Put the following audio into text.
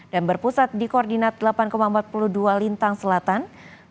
dan berpusat di koordinat delapan empat puluh dua lintang selatan